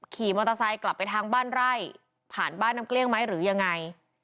ขี่มอเตอร์ไซค์กลับไปทางบ้านไร่ผ่านบ้านน้ำเกลี้ยงไหมหรือยังไง